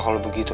kau menipu kamu